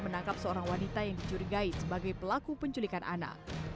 menangkap seorang wanita yang dicurigai sebagai pelaku penculikan anak